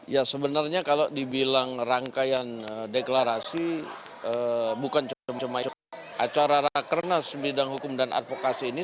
ya sebenarnya kalau dibilang rangkaian deklarasi bukan cuma acara rakernas bidang hukum dan advokasi ini